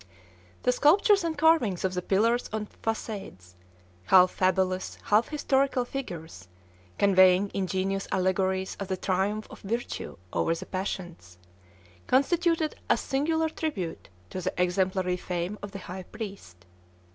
The sculptures and carvings on the pillars and façades half fabulous, half historical figures, conveying ingenious allegories of the triumph of virtue over the passions constituted a singular tribute to the exemplary fame of the high priest.